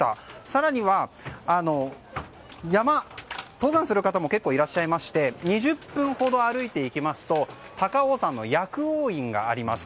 更には登山する方も結構いらっしゃいまして２０分ほど歩いていきますと高尾山の薬王院があります。